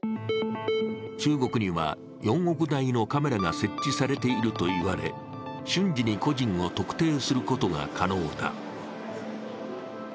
中国には４億台のカメラが設置されているといわれ、瞬時に個人を特定することが可能だ。